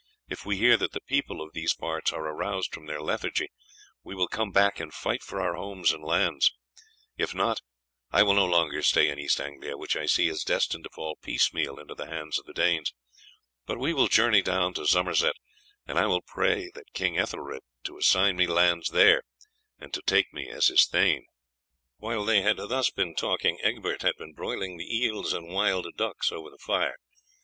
If we hear that the people of these parts are aroused from their lethargy, we will come back and fight for our home and lands; if not, I will no longer stay in East Anglia, which I see is destined to fall piecemeal into the hands of the Danes; but we will journey down to Somerset, and I will pray King Ethelbert to assign me lands there, and to take me as his thane." While they had been thus talking Egbert had been broiling the eels and wild ducks over the fire.